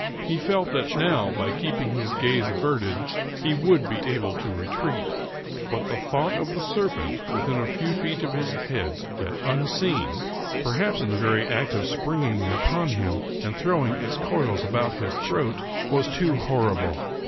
He felt that now, by keeping his gaze averted, he would be able to retreat. But the tlK)ught of the serpent within a few feet of his head, yet unseen — perhaps in the very act of springing upon him and throw ing its coils about his throat — was too horrible.